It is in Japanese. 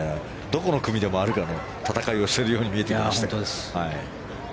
どこの組で回るかの戦いをしているように見えてきました。